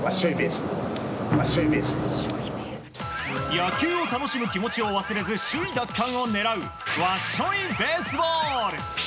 野球を楽しむ気持ちを忘れず首位奪還を狙うわっしょいベースボール。